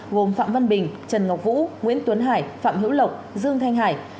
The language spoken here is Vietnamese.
gồm phạm văn bình trần ngọc vũ nguyễn tuấn hải phạm hữu lộc dương thanh hải